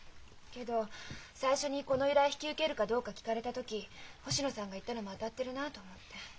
けど最初にこの依頼引き受けるかどうか聞かれた時星野さんが言ったのも当たってるなと思って。